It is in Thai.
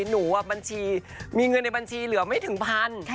บัญชีมีเงินในบัญชีเหลือไม่ถึงพัน